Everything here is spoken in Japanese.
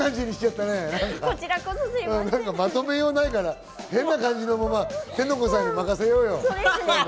まとめようがないから変な感じのまま天の声さんに任せようよ。